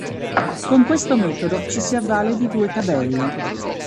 Con questo metodo ci si avvale di due tabelle.